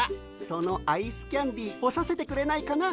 そのアイスキャンデーほさせてくれないかな。